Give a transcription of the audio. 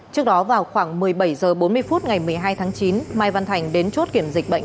trước đó vào khoảng một mươi bảy h bốn mươi phút ngày một mươi hai tháng chín mai văn thành đến chốt kiểm dịch bệnh